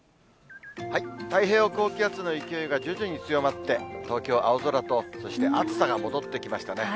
太平洋高気圧の勢いが徐々に強まって、東京、青空とそして暑さが戻ってきましたね。